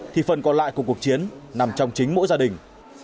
thì phần còn lại của cuộc chiến nằm trong chính mỗi gia đình